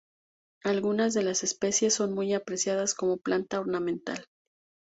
Algunas de las especies son muy apreciadas como planta ornamental.